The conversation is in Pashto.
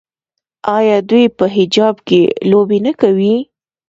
آیا دوی په حجاب کې لوبې نه کوي؟